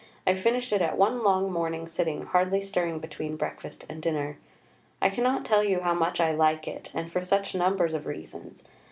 I finished it at one long morning sitting hardly stirring between breakfast and dinner. I cannot tell you how much I like it, and for such numbers of reasons.